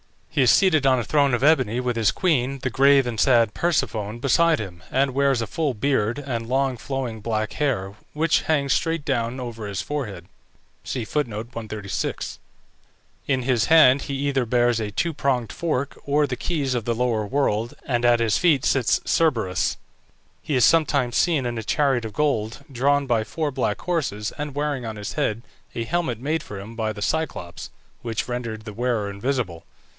He is seated on a throne of ebony, with his queen, the grave and sad Persephone, beside him, and wears a full beard, and long flowing black hair, which hangs straight down over his forehead; in his hand he either bears a two pronged fork or the keys of the lower world, and at his feet sits Cerberus. He is sometimes seen in a chariot of gold, drawn by four black horses, and wearing on his head a helmet made for him by the Cyclops, which rendered the wearer invisible.